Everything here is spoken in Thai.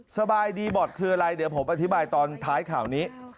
สบายดีบอร์ดคืออะไรเดี๋ยวผมอธิบายตอนท้ายข่าวนี้